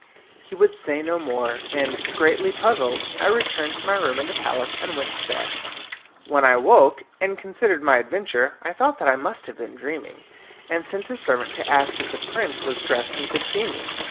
He would say no more, and, greatly puzzled, I returned to my room in the palace and went to bed. When I woke, and considered my adventure, I thought that I must have been dreaming, and sent a servant to ask if the prince was dressed and could see me.